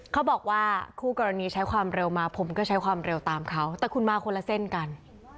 เขาบอกว่าคู่กรณีใช้ความเร็วมาผมก็ใช้ความเร็วตามเขาแต่คุณมาคนละเส้นกัน